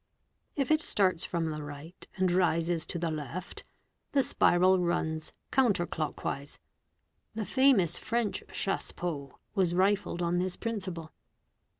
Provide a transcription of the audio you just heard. If it starts from the right and rises to 'he left, the spiral runs '" counter clock wise"'; the famous French Chass p01 was rifled on this principle.